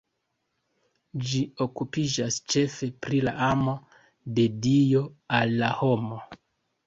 Ĝi okupiĝas ĉefe pri la amo de Dio al la homo.